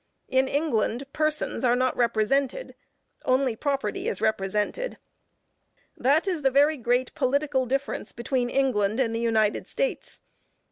In England, persons are not represented; only property is represented. That is the very great political difference between England and the United States.